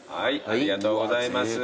ありがとうございます。